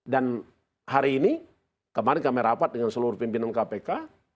dan hari ini kemarin kami rapat dengan seluruh pimpinan kpk